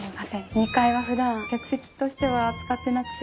２階はふだん客席としては使ってなくて。